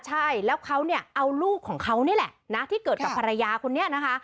ใช่แล้วเขาเนี่ยเอาลูกของเขานี่แหละนะที่เกิดกับภรรยาคนนี้นะคะ